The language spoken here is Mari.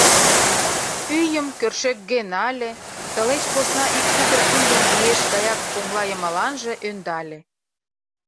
Ӱйым кӧршӧкге нале, тылеч посна ик сукыр киндым виеш гаяк коҥла йымаланже ӧндале.